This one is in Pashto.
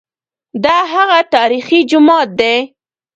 دا هغه تاریخي جومات دی.